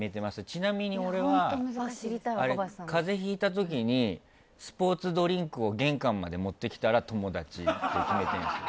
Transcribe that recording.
ちなみに俺は風邪ひいたときにスポーツドリンクを玄関まで持ってきたら友達って決めてるんですよ。